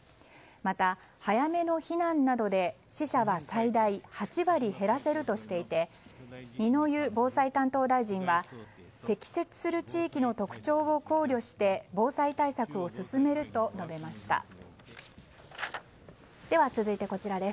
また、早めの避難などで死者は最大８割減らせるとしていて二之湯防災担当大臣は積雪する地域の特徴を考慮して防災対策を進めると述べました。